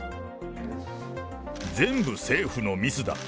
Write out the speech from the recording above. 全部、政府のミスだ。